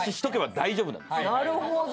なるほど。